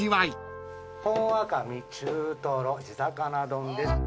本赤身・中とろ・地魚丼です。